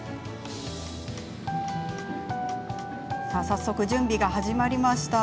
早速、準備が始まりました。